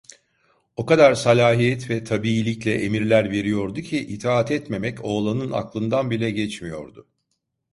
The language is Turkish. O kadar salahiyet ve tabiilikle emirler veriyordu ki, itaat etmemek oğlanın aklından bile geçmiyordu.